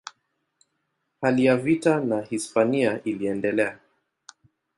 Hali ya vita na Hispania iliendelea.